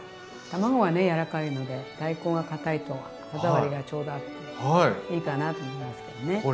卵はね柔らかいので大根がかたいと歯触りがちょうどあっていいかなと思いますけどね。